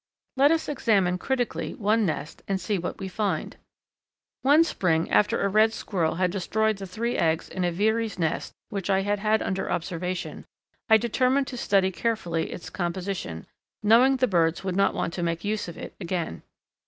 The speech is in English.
Let us examine critically one nest and see what we find. One spring after a red squirrel had destroyed the three eggs in a Veery's nest which I had had under observation, I determined to study carefully its composition, knowing the birds would not want to make use of it again.